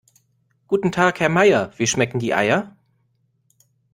Guten Tag Herr Meier, wie schmecken die Eier?